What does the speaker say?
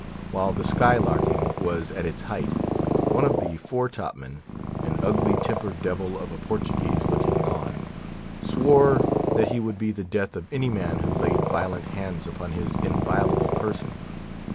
While the "sky larking" was at its height, one of the fore top men—an ugly tempered devil of a Portuguese, looking on—swore that he would be the death of any man who laid violent hands upon his inviolable person.